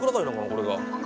これが。